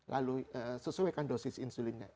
lalu sesuaikan dosis insulinnya